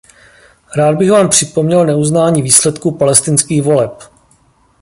Rád bych vám připomněl neuznání výsledků palestinských voleb.